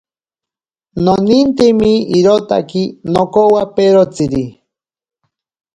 Nonintemi irotaki nokowaperotsiri.